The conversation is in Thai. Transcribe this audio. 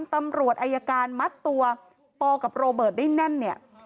ตำรวจอายการมัดตัวปอกับโรเบิร์ตได้แน่นเนี่ย